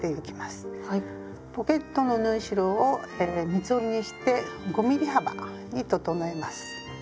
ポケットの縫い代を三つ折りにして５ｍｍ幅に整えます。